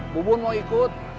bu bun mau ikut